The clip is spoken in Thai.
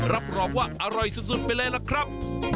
รับรองว่าอร่อยสุดไปเลยล่ะครับ